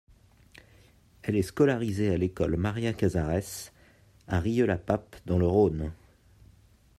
Elle est scolarisée à l'école Maria Casarès à Rillieux-la-Pape dans le Rhône.